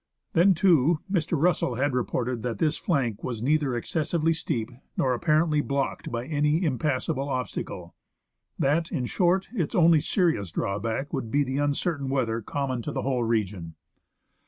Then, too, Mr. Russell had reported that this flank was neither excessively steep, nor apparently blocked by any impassable ob stacle ; that, in short, its only serious drawback would be the uncertain weather common to the whole region.